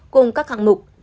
cùng các hạng mục